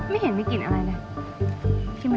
ไม่เห็นมันกินอะไรนะ